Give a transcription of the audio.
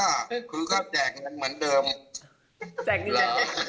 อ่ะคือก็แจกแบบเหมือนเดิม